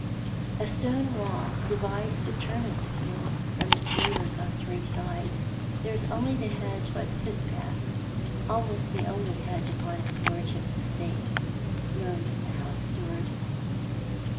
A stone wall divides the turnip field from its neighbours on three sides. There is only the hedge by the footpath — almost the only hedge ui^on his lordship's estate, moaned the house steward.